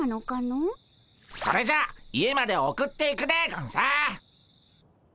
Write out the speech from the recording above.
それじゃ家まで送っていくでゴンス。